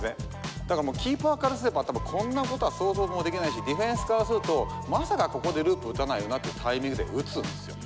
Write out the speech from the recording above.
だからもうキーパーからすればこんなことは想像もできないしディフェンスからするとまさかここでループ打たないよなってタイミングで打つんですよ。